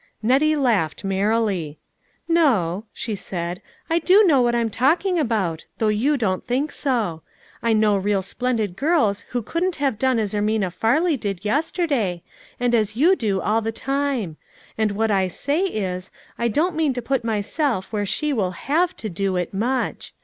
Nettie laughed merrily. " No," she said, " I do know what I am talking about, though you don't think so ; I know real splendid girls who couldn't have done as Ermina Farley did yester day, and as you do all the time ; and what I say is, I don't mean to put myself where she will have to do it, much.